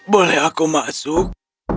boleh aku masuk